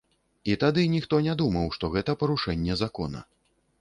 І тады ніхто не думаў, што гэта парушэнне закона.